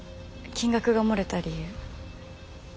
金額が漏れた理由。